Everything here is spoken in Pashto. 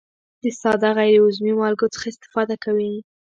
د ساده غیر عضوي مالګو څخه استفاده کوي.